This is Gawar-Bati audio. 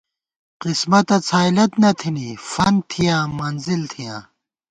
قِسمَتہ څھائیلَت نہ تھنی ، فنت تھِیاں منزِل تھِیاں